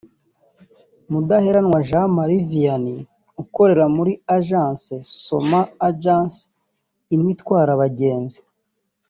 Mudaherwanwa Jean Marie Vianney ukorera muri agence [soma ajanse] imwe itwara abagenzi